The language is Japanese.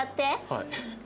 はい。